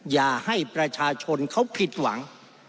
อย่าให้ประชาชนเขาผิดหวัง